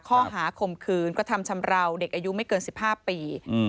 ข้อหาคมคืนก็ทำชำราวเด็กอายุไม่เกินสิบห้าปีอืม